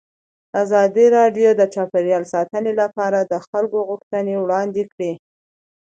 ازادي راډیو د چاپیریال ساتنه لپاره د خلکو غوښتنې وړاندې کړي.